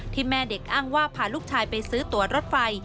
แม่เด็กอ้างว่าพาลูกชายไปซื้อตัวรถไฟ